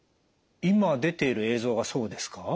今出ている映像がそうですか？